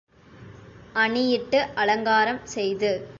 அணியிட்டு அலங்காரம் செய்து.